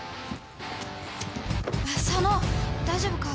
佐野大丈夫か？